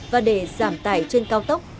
và để giảm tải trên cao tốc